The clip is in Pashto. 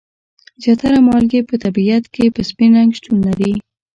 زیاتره مالګې په طبیعت کې په سپین رنګ شتون لري.